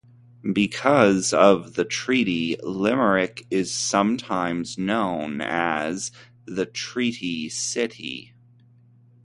Because of the treaty, Limerick is sometimes known as the "Treaty City".